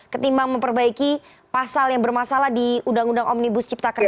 ketimbang memperbaiki pasal yang bermasalah di undang undang omnibus cipta kerja